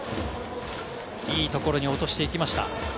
いいところに落としていきました。